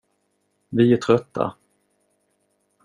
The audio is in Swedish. Vi är trötta.